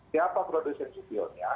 siapa produsen cpo nya